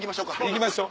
行きましょ